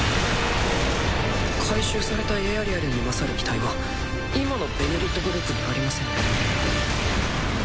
改修されたエアリアルに勝る機体は今の「ベネリット」グループにありませんね。